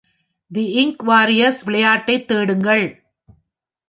தி young warriors விளையாட்டைத் தேடுங்கள்.